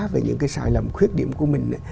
về những cái sai lầm khuyết điểm của mình